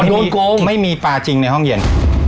โดนโกงไม่มีปลาจริงในห้องเย็น